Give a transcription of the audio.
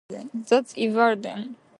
That's Eve Arden.